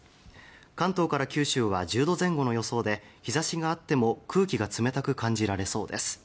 関東から九州は１０度前後の予想で日差しがあっても空気が冷たく感じられそうです。